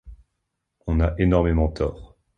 On a énormément tort.